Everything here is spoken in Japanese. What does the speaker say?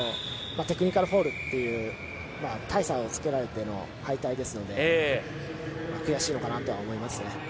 テクニカルフォールという大差をつけられての敗退ですので悔しいのかなとは思いますね。